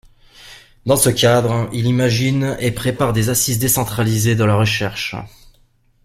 Dans ce cadre, il imagine et prépare des Assises décentralisées de la Recherche.